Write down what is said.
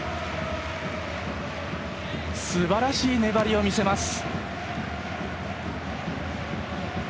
すばらしい粘りを見せます。